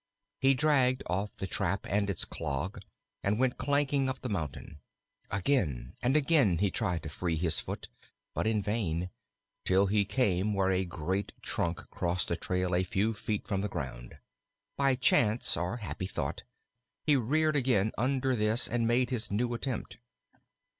He dragged off the trap and its clog, and went clanking up the mountain. Again and again he tried to free his foot, but in vain, till he came where a great trunk crossed the trail a few feet from the ground. By chance, or happy thought, he reared again under this and made a new attempt.